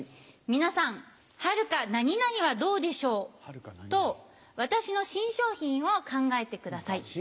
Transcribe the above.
皆さん「はるか何々はどうでしょう？」と私の新商品を考えてください。